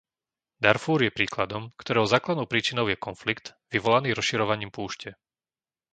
Darfúr je príkladom, ktorého základnou príčinou je konflikt, vyvolaný rozširovaním púšte.